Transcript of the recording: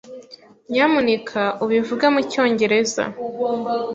Nyamuneka ubivuge mucyongereza.